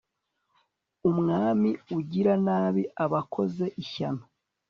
umwami ugira nabi aba akoze ishyano